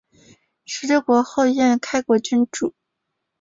十六国后燕开国君主。